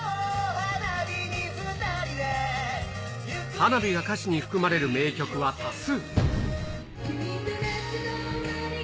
花火が歌詞に含まれる名曲は多数。